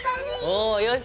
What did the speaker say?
おおよし！